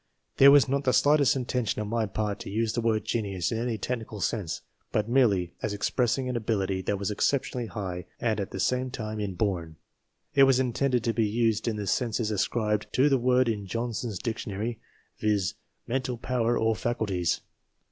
There was not the slightest intention on my part to use the word genius in any technical sense, but merely as expressing an ability that was exceptionally high, and at the same time inborn. It was intended to be used in the senses ascribed to the word in Johnson's Dic tionary, viz. "Mental power or faculties.